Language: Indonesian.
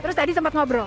terus tadi sempat ngobrol